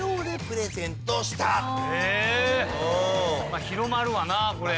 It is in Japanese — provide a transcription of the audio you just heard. まあ広まるわなこれ。